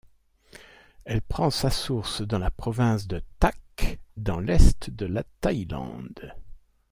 Elle prend sa source dans la Province de Tak, dans l'Est de la Thaïlande.